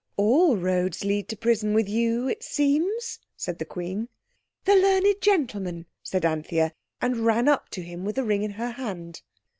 "All roads lead to prison with you, it seems," said the Queen. "The learned gentleman!" said Anthea, and ran up to him with the ring in her hand.